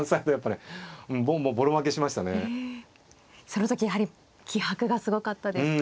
その時やはり気迫がすごかったですか。